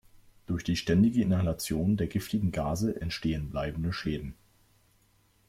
Durch die ständige Inhalation der giftigen Gase entstehen bleibende Schäden.